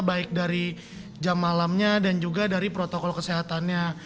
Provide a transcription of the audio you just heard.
baik dari jam malamnya dan juga dari protokol kesehatannya